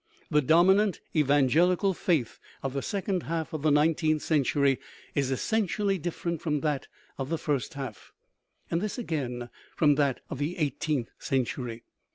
The dominant evangelical faith of the second half of the nineteenth century is essentially dif ferent from that of the first half, and this again from that of the eighteenth century.